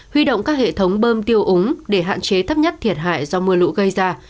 huy động các hệ thống bơm tiêu úng để hạn chế thấp nhất thiệt hại do mưa lũ gây ra